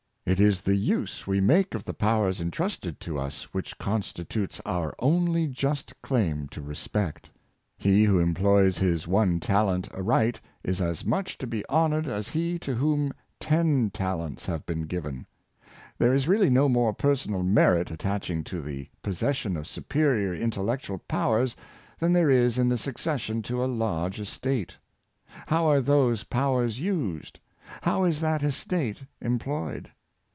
It is the use we make of the powers intrusted to us, which constitutes our only just claim to respect. He who employs his one talent aright is as much to be hon ored as he to whom ten talents have been given. There is really no more personal merit attaching to the pos session of superior intellectual powers than there is in the succession to a large estate. How are those pow ers used — how is that estate employed?